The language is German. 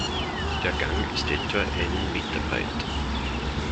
Der Gang ist etwa einen Meter breit.